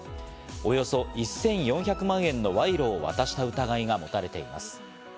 およそ１４００万円の賄賂を渡した疑いがもたれています。